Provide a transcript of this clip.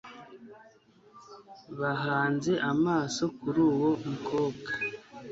bahanze amaso kuruwo mukobwa